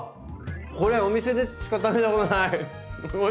これはお店でしか食べたことない。